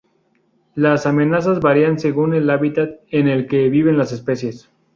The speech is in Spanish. Las amenazas varían según el hábitat en el que viven las especies.